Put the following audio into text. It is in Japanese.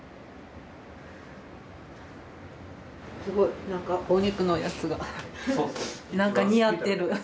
すごい何かお肉のやつが何か似合ってる。